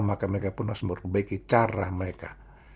maka mereka pun harus memperbaiki cara mereka